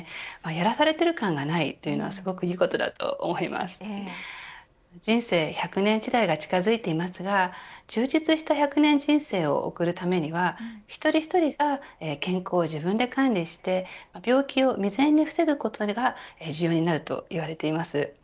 やらされてる感がないというのはすごくいいことだと思います人生１００年時代が近づいていますが充実した１００年人生を送るためには一人一人が健康を自分で管理して病気を未然に防ぐことが重要になるといわれています。